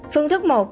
phương thức một